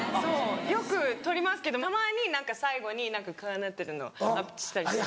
よく撮りますけどたまに何か最後にこうなってるのをアップしたりします。